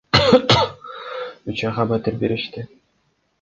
Үч айга батир беришти.